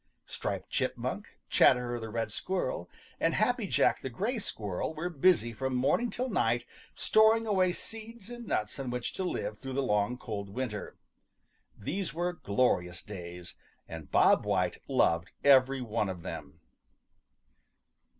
Striped Chipmunk, Chatterer the Red Squirrel, and Happy Jack the Gray Squirrel were busy from morning till night storing away seeds and nuts on which to live through the long cold winter. These were glorious days, and Bob White loved every one of them.